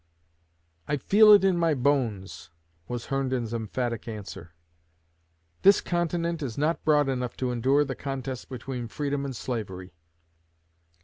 'I feel it in my bones,' was Herndon's emphatic answer. 'This continent is not broad enough to endure the contest between freedom and slavery!'